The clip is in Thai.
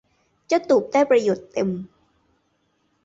เจ้าตูบได้ประโยชน์เต็ม